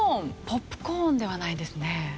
ポップコーンではないですね。